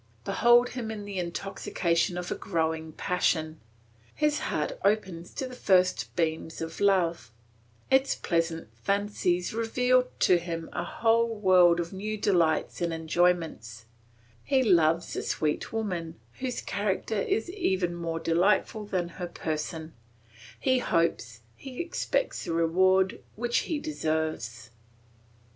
Behold him in the intoxication of a growing passion; his heart opens to the first beams of love; its pleasant fancies reveal to him a whole world of new delights and enjoyments; he loves a sweet woman, whose character is even more delightful than her person; he hopes, he expects the reward which he deserves.